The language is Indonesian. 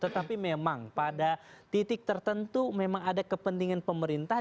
tetapi memang pada titik tertentu memang ada kepentingan pemerintah